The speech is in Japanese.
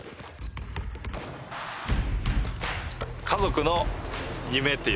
家族の夢っていうか。